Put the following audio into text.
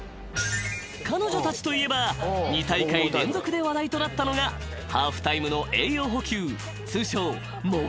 ［彼女たちといえば２大会連続で話題となったのがハーフタイムの栄養補給通称］